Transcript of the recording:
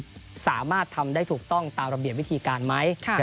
สามารถทำได้ถูกต้องตามระเบียบวิธีการไหม